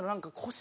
腰？